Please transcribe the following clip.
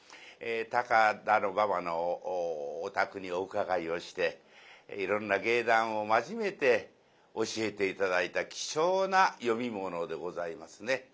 高田馬場のお宅にお伺いをしていろんな芸談を交えて教えて頂いた貴重な読み物でございますね。